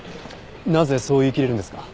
なぜそう言いきれるんですか？